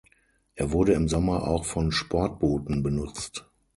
Er wurde im Sommer auch von Sportbooten benutzt.